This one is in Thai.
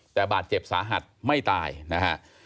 แต่บาดเจ็บสาหัสไม่ตายนะฮะ